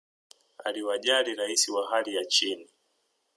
aliwajali rais wa hali ya chini